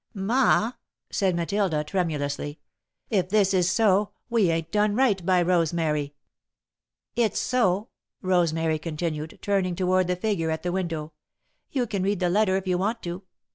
"Ma," said Matilda, tremulously, "if this is so, we ain't done right by Rosemary." "It's so," Rosemary continued, turning toward the figure at the window. "You can read the letter if you want to."